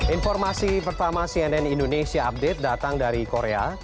informasi pertama cnn indonesia update datang dari korea